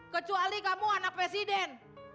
kecuali kamu anak presiden